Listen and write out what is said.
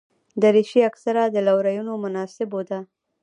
دریشي اکثره د لورینو مناسبو ده.